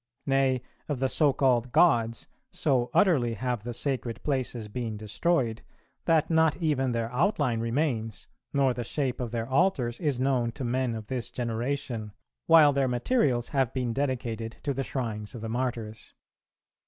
... Nay, of the so called gods, so utterly have the sacred places been destroyed, that not even their outline remains, nor the shape of their altars is known to men of this generation, while their materials have been dedicated to the shrines of the Martyrs.